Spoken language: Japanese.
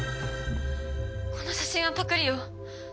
この写真はパクリよ。